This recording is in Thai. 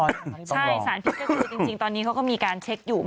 ใช่สารพิษก็คือจริงตอนนี้เขาก็มีการเช็คอยู่